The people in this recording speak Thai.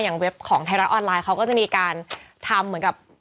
เว็บของไทยรัฐออนไลน์เขาก็จะมีการทำเหมือนกับ